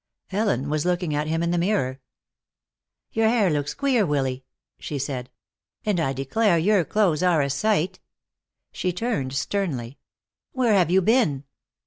Ellen was looking at him in the mirror. "Your hair looks queer, Willy," she said. "And I declare your clothes are a sight." She turned, sternly. "Where have you been?"